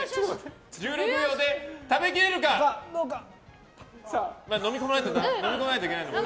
１６秒で食べきれるか！